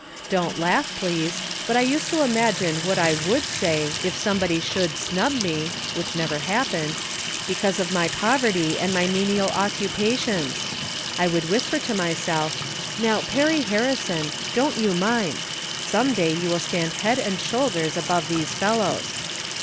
Don't laugh, please ; but I used to imagine what I would say if anybody sJiould snub me (which never happened) because of my poverty and my menial occupations. I would whisper to myself, " Now, Perry Harrison, don't you mind ; some day you will stand head and shoulders above these fellows."